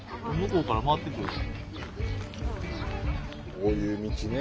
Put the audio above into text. こういう道ね。